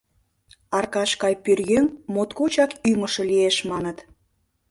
Аркаш гай пӧръеҥ моткочак ӱҥышӧ лиеш, маныт.